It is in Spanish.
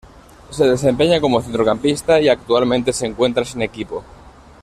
Se desempeña como centrocampista y actualmente se encuentra sin equipo.